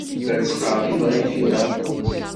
La d-ttqerribeɣ imir-a.